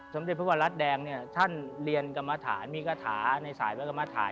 สำเรียกพระวรรดิแล้วก็แล้วท่านเรียนกรรมฐานมีกระฐาในสายกรรมฐาน